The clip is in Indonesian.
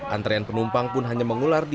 antrian penumpang pun hanya mengular di dua